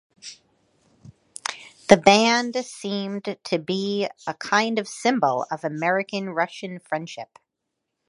The band seemed to be a kind of symbol of American-Russian friendship.